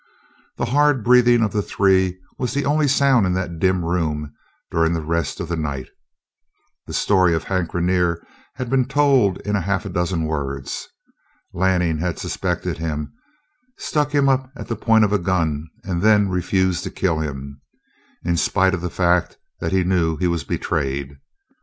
The hard breathing of the three was the only sound in that dim room during the rest of the night. The story of Hank Rainer had been told in half a dozen words. Lanning had suspected him, stuck him up at the point of a gun, and then refused to kill him, in spite of the fact that he knew he was betrayed.